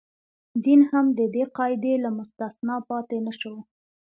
دین هم د دې قاعدې له مستثنا پاتې نه شو.